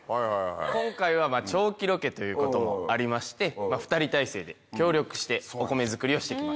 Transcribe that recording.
今回は長期ロケということもありまして２人体制で協力してお米作りをして来ました。